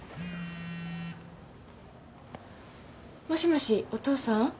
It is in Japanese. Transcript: もしもしお父さん？